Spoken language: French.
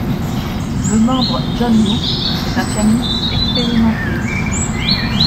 Le membre John Hughes est un pianiste expérimenté.